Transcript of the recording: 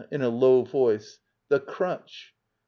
[In a low voice.] The crutch.